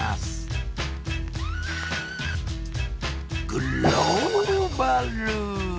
グローバル！